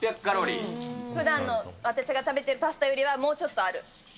ふだんの、私が食べてるパスタよりは、もうちょっとある。